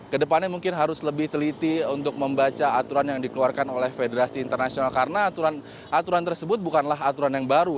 kedepannya mungkin harus lebih teliti untuk membaca aturan yang dikeluarkan oleh federasi internasional karena aturan tersebut bukanlah aturan yang baru